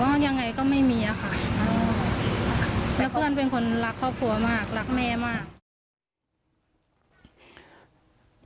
ก็ยังไงก็ไม่มีอะค่ะแล้วเพื่อนเป็นคนรักครอบครัวมากรักแม่มาก